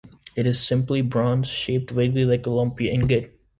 It is, simply, bronze, shaped vaguely like a lumpy ingot.